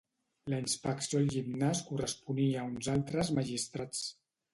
La inspecció al gimnàs corresponia a uns altres magistrats.